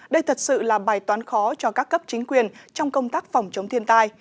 đây thật sự là bài toán khó cho các cấp chính quyền trong công tác phòng chống thiên tai